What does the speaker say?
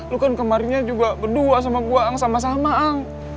lo kan kemarinnya juga berdua sama gue ang sama sama ang